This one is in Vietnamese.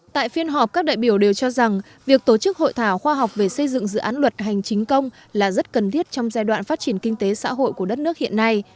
tại phiên họp các đại biểu đều cho rằng việc tổ chức hội thảo khoa học về xây dựng dự án luật hành chính công là rất cần thiết trong giai đoạn phát triển kinh tế xã hội của đất nước hiện nay